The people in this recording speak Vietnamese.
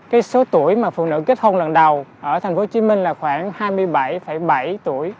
cái số tuổi mà phụ nữ kết hôn lần đầu ở thành phố hồ chí minh là khoảng hai mươi bảy bảy tuổi